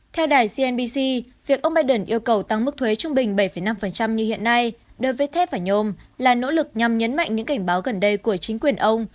theo đài cnbc việc ông biden yêu cầu tăng mức thuế trung bình bảy năm như hiện nay đối với thép và nhôm là nỗ lực nhằm nhấn mạnh những cảnh báo gần đây của chính quyền ông